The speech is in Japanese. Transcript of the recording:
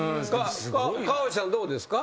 河内さんどうですか？